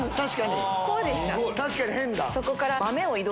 確かに変だ。